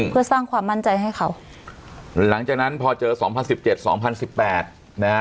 เพื่อสร้างความมั่นใจให้เขาหลังจากนั้นพอเจอสองพันสิบเจ็ดสองพันสิบแปดนะฮะ